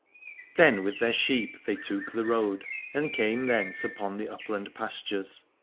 Then with their sheep they took the road, and came thence upon the upland pastures.